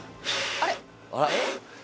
あれ？